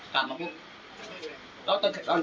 กลับมาพรุ่ง